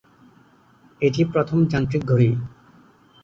এটি প্রথম যান্ত্রিক ঘড়ি।